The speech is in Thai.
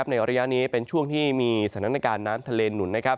ในระยะนี้เป็นช่วงที่มีสถานการณ์น้ำทะเลหนุน